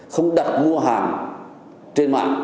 không đặt mua hàng trên mạng